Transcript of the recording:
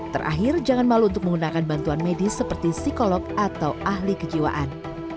terakhir jangan malu untuk menggunakan bantuan medis seperti psikolog atau ahli kejiwaan